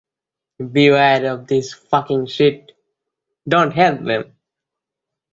প্রধান সমালোচকরা হলেন জি এইচ-টি-কিম্বল এবং ফ্রেড কে-শ্যাফার।